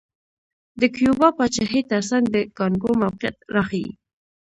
د کیوبا پاچاهۍ ترڅنګ د کانګو موقعیت راښيي.